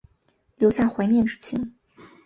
留下怀念之情